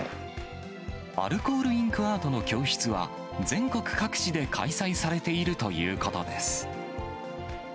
アルコールインクアートの教室は、全国各地で開催されているということです。